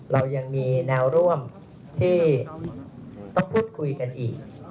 เรายังมีแนวร่วมที่ต้องพูดคุยกันอีก